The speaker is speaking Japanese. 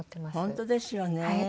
本当ですよね。